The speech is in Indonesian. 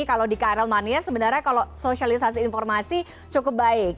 kalau di krl mania sebenarnya kalau sosialisasi informasi cukup baik